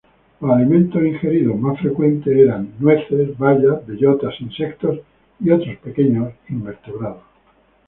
Los alimentos ingeridos más frecuentemente eran nueces, bayas, bellotas, insectos y otros pequeños invertebrados.